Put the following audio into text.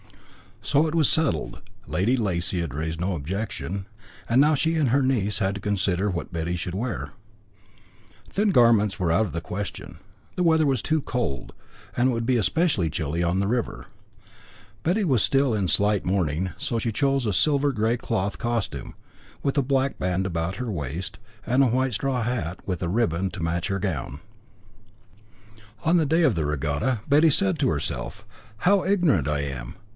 So it was settled. Lady Lacy had raised no objection, and now she and her niece had to consider what Betty should wear. Thin garments were out of the question; the weather was too cold, and it would be especially chilly on the river. Betty was still in slight mourning, so she chose a silver grey cloth costume, with a black band about her waist, and a white straw hat, with a ribbon to match her gown. On the day of the regatta Betty said to herself; "How ignorant I am!